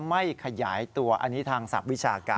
ไม่ขยายตัวอันนี้ทางศัพท์วิชาการ